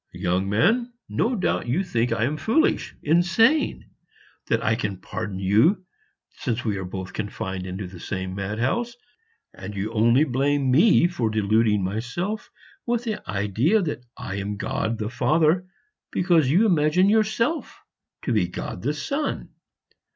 "Young man, no doubt you think I am foolish, insane; that I can pardon you, since we are both confined in the same mad house; and you only blame me for deluding myself with the idea that I am God the Father because you imagine yourself to be God the Son.